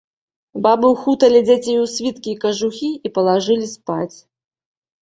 Бабы ўхуталі дзяцей у світкі і кажухі і палажылі спаць.